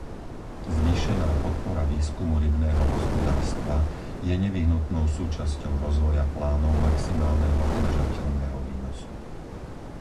Zvýšená podpora výskumu rybného hospodárstva je nevyhnutnou súčasťou rozvoja plánov maximálneho udržateľného výnosu.